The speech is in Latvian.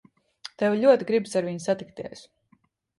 Tev ļoti gribas ar viņu satikties.